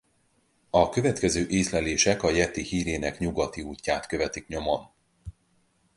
A következő észlelések a jeti hírének nyugati útját követik nyomon.